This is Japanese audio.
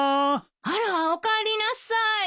あらおかえりなさい。